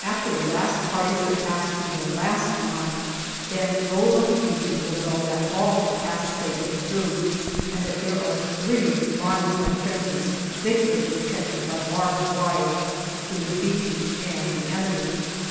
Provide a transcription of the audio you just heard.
After the last parties have passed through the last line, then those on the beaches will know that all have passed safely through, and that there are three lines of trenches thickly protected by barbed wire between the beaches and the enemy.